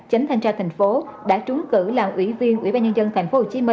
chánh thanh tra tp hcm đã trúng cử làm ủy viên ủy ban nhân dân tp hcm